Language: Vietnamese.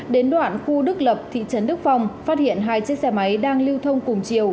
đến đoạn khu đức lập thị trấn đức phong phát hiện hai chiếc xe máy đang lưu thông cùng chiều